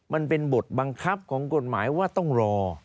มันเป็นบทบังคับของกฎหมายว่าต้องรอ